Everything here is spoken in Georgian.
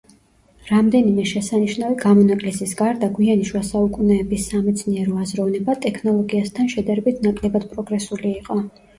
რამდენიმე შესანიშნავი გამონაკლისის გარდა, გვიანი შუა საუკუნეების სამეცნიერო აზროვნება ტექნოლოგიასთან შედარებით ნაკლებად პროგრესული იყო.